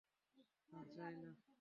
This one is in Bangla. না, চাই না।